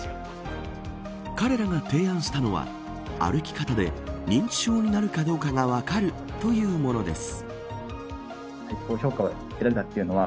彼らが提案したのは歩き方で認知症になるかどうかが分かるというものです。